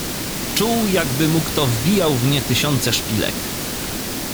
Czuł jakby mu kto wbijał w nie tysiące szpilek.